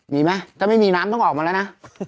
มีไหมถ้าไม่มีน้ำต้องออกมาแล้วนะ